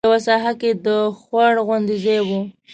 یوه ساحه کې د خوړ غوندې ځای و.